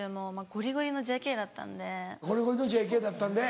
ゴリゴリのＪＫだったんで。